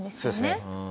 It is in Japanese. そうですね。